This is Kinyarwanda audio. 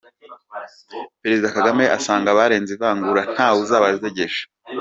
Perezida Kagame asanga abarenze ivangura nta we uzabajegeza